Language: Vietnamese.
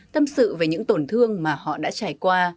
tâm sự về những tổn thương mà họ đã trải qua